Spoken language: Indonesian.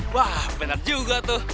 wah bener juga tuh